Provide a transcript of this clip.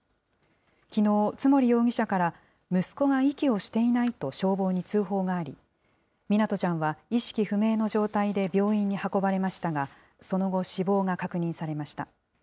きのう、津守容疑者から、息子が息をしていないと消防に通報があり、湊ちゃんは意識不明の状態で病院に運ばれましたが、その後、死亡が確認されました。